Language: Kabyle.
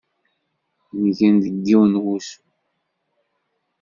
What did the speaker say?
Ngen deg yiwen n wusu.